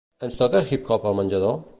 Ens toques hip-hop al menjador?